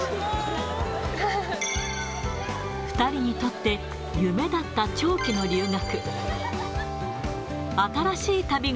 ２人にとって、夢だった長期の留学。